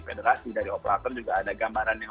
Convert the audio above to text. federasi dari operator juga ada gambaran yang